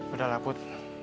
udah lah put